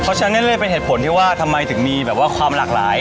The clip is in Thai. เพราะฉะนั้นเลยเป็นเหตุผลที่ว่าทำไมถึงมีแบบว่าความหลากหลาย